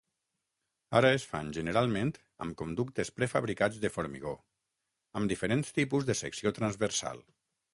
Ara es fan generalment amb conductes prefabricats de formigó, amb diferents tipus de secció transversal.